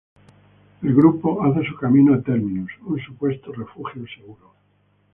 El grupo hace su camino a Terminus, un supuesto refugio seguro.